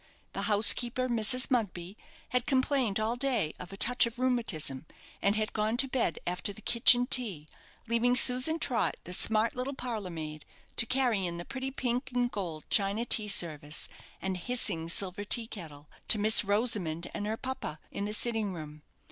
The housekeeper, Mrs. Mugby, had complained all day of a touch of rheumatism, and had gone to bed after the kitchen tea, leaving Susan Trott, the smart little parlour maid, to carry in the pretty pink and gold china tea service, and hissing silver tea kettle, to Miss Rosamond and her papa in the sitting room.